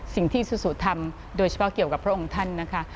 ซูซูทำโดยเฉพาะเกี่ยวกับพระองค์ท่านนะคะ